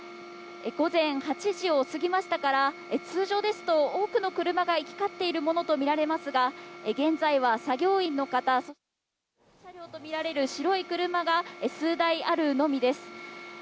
午前８時を過ぎましたから、通常ですと、多くの車が行き交っているものとみられますが、現在は作業員の方また白い車が数台あるのみです。